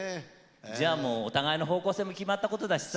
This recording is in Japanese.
じゃあもうお互いの方向性も決まったことだしさ。